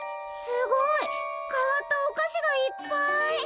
すごい！変わったお菓子がいっぱい！